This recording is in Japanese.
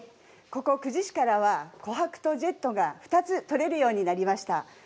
ここ久慈市では琥珀とジェットが２つ採れるようになりました。